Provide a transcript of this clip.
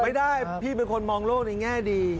ไม่ได้พี่เป็นคนมองโลกในแง่ดี